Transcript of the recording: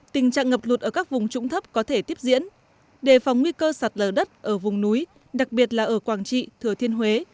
tình trạng ngập lụt ở các vùng trũng thấp có thể tiếp diễn đề phòng nguy cơ sạt lở đất ở vùng núi đặc biệt là ở quảng trị thừa thiên huế